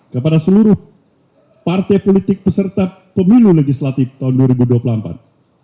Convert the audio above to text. kepada seluruh partai politik peserta pemilu legislatif tahun dua ribu dua puluh empat